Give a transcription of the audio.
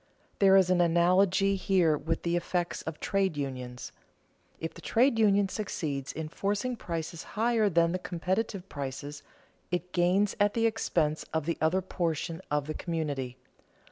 There is an analogy here with the effects of trade unions. If the trade union succeeds in forcing prices higher than the competitive prices, it gains at the expense of the other portion of the community.